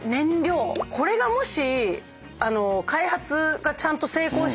これがもし。